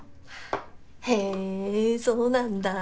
へそうなんだぁ。